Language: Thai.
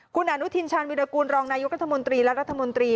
คุณอนุทินชาญวิรากูลรองนายกรัฐมนตรีและรัฐมนตรี